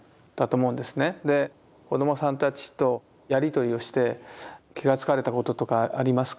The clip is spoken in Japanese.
子どもさんたちとやり取りをして気が付かれたこととかありますか？